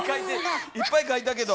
いっぱい書いたけど。